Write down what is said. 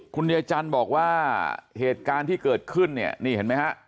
คุณยายจันทร์บอกว่าเหตุการณ์ที่เกิดขึ้นเนี่ยนี่เห็นไหมฮะ